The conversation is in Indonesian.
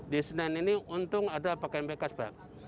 di senen ini untung ada pakaian bekas pak